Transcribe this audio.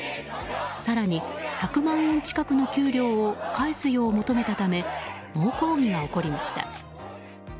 更に１００万円近くの給料を返すよう求めたため猛抗議が起こりました。